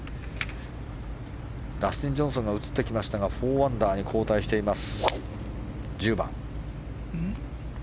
ダスティン・ジョンソンが映ってきましたが４アンダーに後退しています。